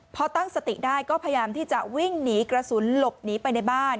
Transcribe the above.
พอตั้งสติได้ก็พยายามที่จะวิ่งหนีกระสุนหลบหนีไปในบ้าน